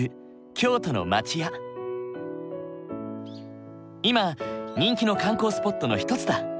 今人気の観光スポットの一つだ。